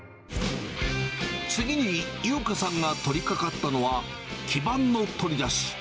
次に優花さんが取りかかったのは、基板の取り出し。